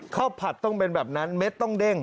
ผัดต้องเป็นแบบนั้นเม็ดต้องเด้ง